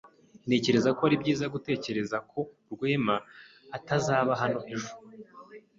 Ntekereza ko ari byiza gutekereza ko Rwema atazaba hano ejo.